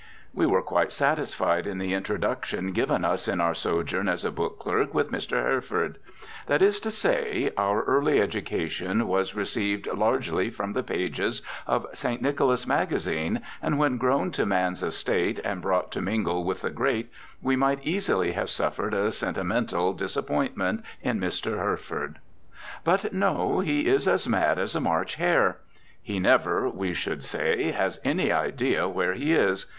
We were quite satisfied in the introduction given us in our sojourn as a book clerk with Mr. Herford. That is to say, our early education was received largely from the pages of St. Nicholas Magazine; and when grown to man's estate and brought to mingle with the great we might easily have suffered a sentimental disappointment in Mr. Herford. But no, he is as mad as a March hare. He never, we should say, has any idea where he is.